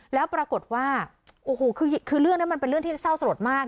แล้วปรากฏว่าโอ้โหคือเรื่องนี้มันเป็นเรื่องที่เศร้าสลดมาก